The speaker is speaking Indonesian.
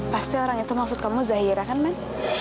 pasti orang itu maksud kamu zahira kan men